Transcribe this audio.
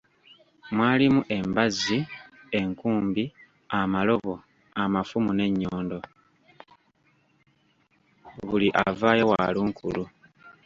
Buli avaayo wa lunkulu.